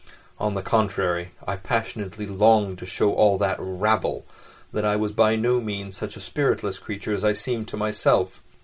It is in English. _" On the contrary, I passionately longed to show all that "rabble" that I was by no means such a spiritless creature as I seemed to myself.